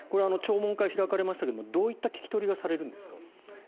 聴聞会が開かれましたがどういった聞き取りがされるんですか？